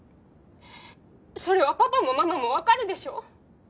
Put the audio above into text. それはパパもママもわかるでしょ？